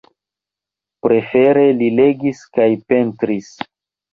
Prefere li legis kaj pentris.